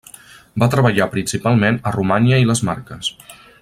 Va treballar principalment a Romanya i les Marques.